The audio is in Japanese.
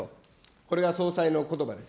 これは総裁のことばです。